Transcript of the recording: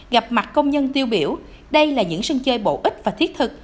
gặp mặt công nhân tiêu biểu đây là những sân chơi bổ ích và thiết thực